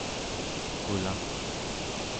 qulaᵉ